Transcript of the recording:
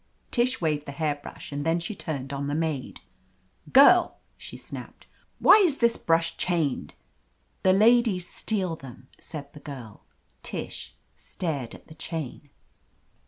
Tish waved the hairbrush and then she turned on the maid. "Girl," she snapped, "why is this brush chained ?" "The ladies steal them," said the girl. Tish stared at the chain.